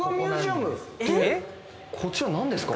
こちら何ですか？